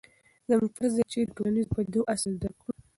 زموږ فرض دی چې د ټولنیزو پدیدو اصل درک کړو.